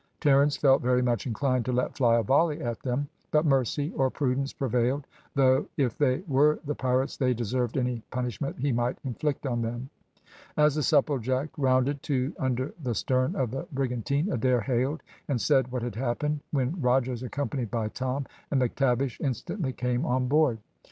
Terence felt very much inclined to let fly a volley at them, but mercy, or prudence, prevailed, though if they were the pirates they deserved any punishment he might inflict on them. As the Supplejack rounded to under the stern of the brigantine, Adair hailed and said what had happened, when Rogers, accompanied by Tom and McTavish, instantly came on board.